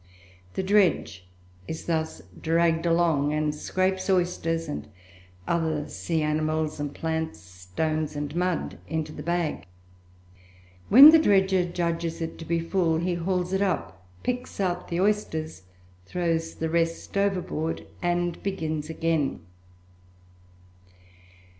The dredge is thus dragged along and scrapes oysters and other sea animals and plants, stones, and mud into the bag. When the dredger judges it to be full he hauls it up, picks out the oysters, throws the rest overboard, and begins again.